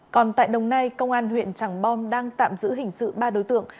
còn tại đồng nai công an huyện tràng bom đang tạm giữ hình sự ba đối tượng